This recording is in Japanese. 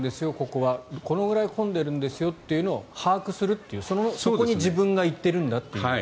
ここはこのくらい混んでるんですよというのを把握するというそこに自分が行っているんだと。